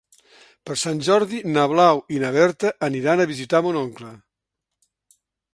Per Sant Jordi na Blau i na Berta aniran a visitar mon oncle.